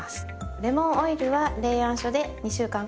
レモンオイルは冷暗所で２週間から３週間。